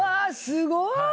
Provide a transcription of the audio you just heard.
すごーい！